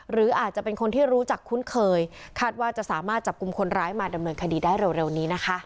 หรืออาจจะเป็นคนที่รู้จักคุ้นเคยคาดว่าจะสามารถจับกลุ่มคนร้ายมาดำเนินคดีได้เร็วนี้นะคะ